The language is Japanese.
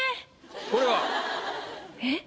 これは？えっ？